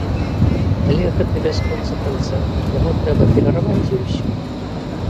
Але гэта бясконцы канцэрт, яго трэба перарваць, і ўсё.